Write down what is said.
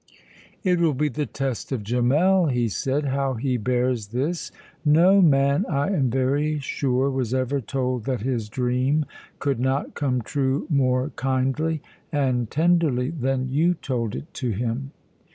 "It will be the test of Gemmell," he said, "how he bears this. No man, I am very sure, was ever told that his dream could not come true more kindly and tenderly than you told it to him."